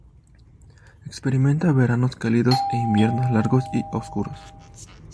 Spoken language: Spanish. Experimenta veranos cálidos e inviernos largos y oscuros.